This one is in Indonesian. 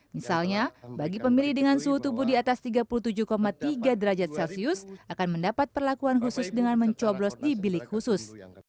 misalnya bagi pemilih dengan suhu tubuh di atas tiga puluh tujuh tiga derajat celcius akan mendapat perlakuan khusus dengan mencoblos di bilik khusus